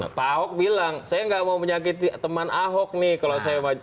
nah pak ahok bilang saya nggak mau menyakiti teman ahok nih kalau saya maju